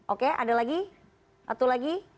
oke ada lagi